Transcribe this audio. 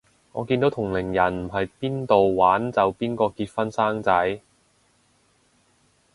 我見到同齡人唔係邊到玩就邊個結婚生仔